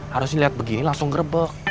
harusnya lihat begini langsung ngerebek